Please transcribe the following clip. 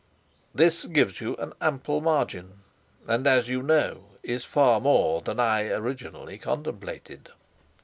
This gives you an ample margin, and, as you know, is far more than I originally contemplated.